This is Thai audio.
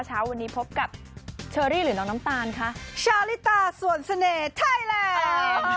เช้าวันนี้พบกับเชอรี่หรือน้องน้ำตาลคะชาลิตาส่วนเสน่ห์ไทยแลนด์